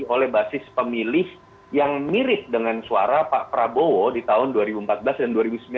oleh basis pemilih yang mirip dengan suara pak prabowo di tahun dua ribu empat belas dan dua ribu sembilan belas